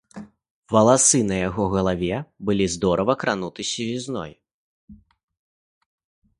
Валасы на яго галаве былі здорава крануты сівізной.